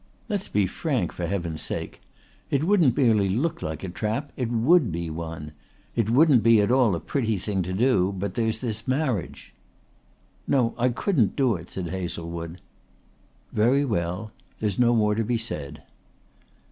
"Let's be frank, for Heaven's sake. It wouldn't merely look like a trap, it would be one. It wouldn't be at all a pretty thing to do, but there's this marriage!" "No, I couldn't do it," said Hazlewood. "Very well. There's no more to be said."